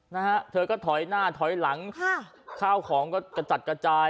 นะฮะเธอก็ถอยหน้าถอยหลังค่ะข้าวของก็กระจัดกระจาย